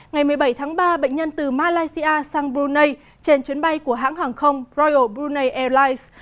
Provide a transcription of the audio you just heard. ngày một mươi bảy tháng ba bệnh nhân từ malaysia sang brunei trên chuyến bay của hãng hàng không royal brunei airlines